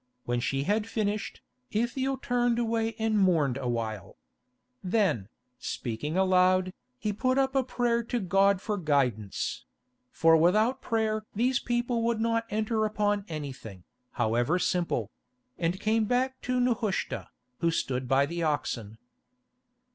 When she had finished, Ithiel turned away and mourned a while. Then, speaking aloud, he put up a prayer to God for guidance—for without prayer these people would not enter upon anything, however simple—and came back to Nehushta, who stood by the oxen.